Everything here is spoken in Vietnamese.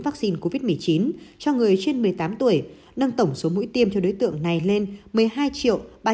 vắc xin covid một mươi chín cho người trên một mươi tám tuổi nâng tổng số mũi tiêm cho đối tượng này lên một mươi hai ba trăm bảy mươi ba sáu mũi